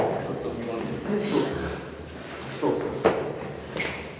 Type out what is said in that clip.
そうそうそう。